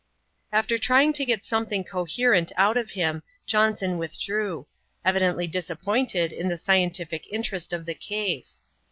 After trying to get something coherent out of him, Johnson withdrew ; evidently disappointed in the scientific interest of tbe case.